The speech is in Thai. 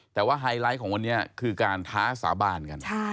แต่ว่าไฮไลท์ของวันนี้คือการท้าสาบานกัน